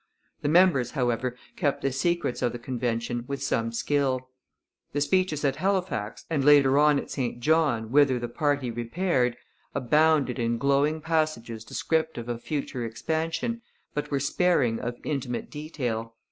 The members, however, kept the secrets of the convention with some skill. The speeches at Halifax, and later on at St John, whither the party repaired, abounded in glowing passages descriptive of future expansion, but were sparing of intimate detail.